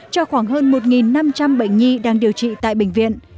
cho khoảng hơn một năm trăm linh bệnh nhi đang điều trị tại bệnh viện